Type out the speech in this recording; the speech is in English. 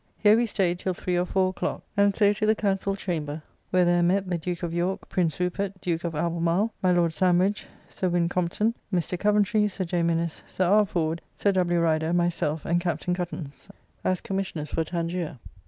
Here we staid till three or four o'clock; and so to the Council Chamber, where there met the Duke of York, Prince Rupert, Duke of Albemarle, my Lord Sandwich, Sir Win. Compton, Mr. Coventry, Sir J. Minnes, Sir R. Ford, Sir W. Rider, myself, and Captain Cuttance, as Commissioners for Tangier.